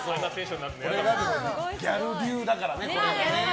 ギャル流だからね、これが。